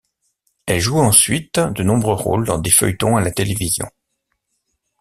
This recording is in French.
Elle joue ensuite de nombreux rôles dans des feuilletons à la télévision.